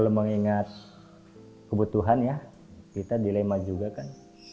mengingat kebutuhan ya kita dilema juga kan